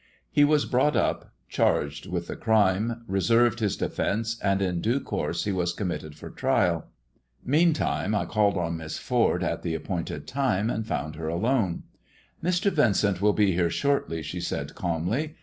He was brought up charged with the crime, reserved his defence, and in due course he was com mitted for trial. Meantime I called on Miss Ford at the appointed time, aud found her alone. ''Mr. Vincent will he here shortly," she said calmly.